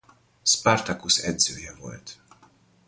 Spartacus edzője volt.